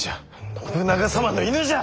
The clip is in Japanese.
信長様の犬じゃ！